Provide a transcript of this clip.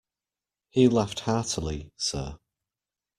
He laughed heartily, sir.